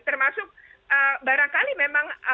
termasuk barangkali memang